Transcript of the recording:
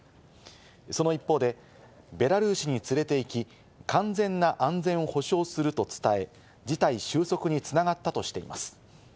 その一方で、ベラルーシに連れて行き、完全な安全を保証すると伝え、事態収束に繋がったとしています。